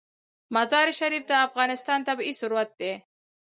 مزارشریف د افغانستان طبعي ثروت دی.